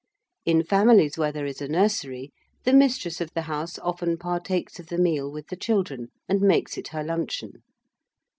In families where there is a nursery, the mistress of the house often partakes of the meal with the children, and makes it her luncheon.